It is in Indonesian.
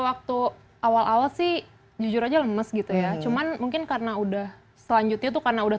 waktu awal awal sih jujur aja lemes gitu ya cuman mungkin karena udah selanjutnya tuh karena udah